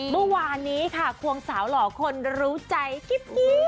เมื่อวานนี้ค่ะควงสาวหล่อคนรู้ใจกิ๊บกิ๊ว